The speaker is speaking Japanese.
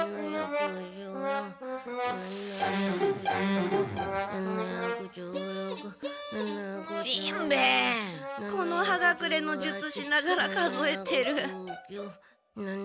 木の葉隠れの術しながら数えてる。